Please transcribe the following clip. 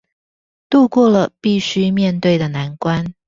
渡過了必須面對的難關